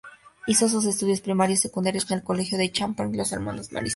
Hizo sus estudios primarios y secundarios en el Colegio Champagnat de los Hermanos Maristas.